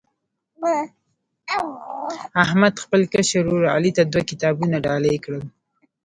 احمد خپل کشر ورر علي ته دوه کتابونه ډالۍ کړل.